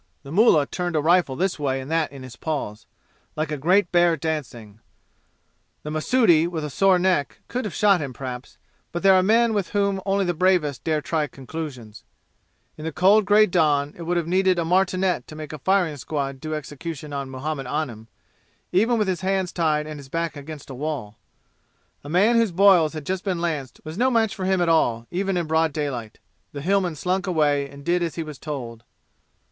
The mullah turned a rifle this way and that in his paws, like a great bear dancing. The Mahsudi with a sore neck could have shot him perhaps, but there are men with whom only the bravest dare try conclusions. In cold gray dawn it would have needed a martinet to make a firing squad do execution on Muhammad Anim, even with his hands tied and his back against a wall. A man whose boils had just been lanced was no match for him at all, even in broad daylight. The Hillman slunk away and did as he was told.